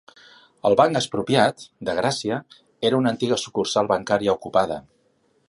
El ‘Banc Expropiat’ de Gràcia era una antiga sucursal bancària ocupada.